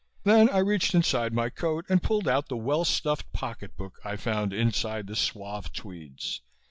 Then I reached inside my coat and pulled out the well stuffed pocket book I found inside the suave tweeds.